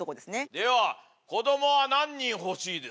では子どもは何人欲しいですか？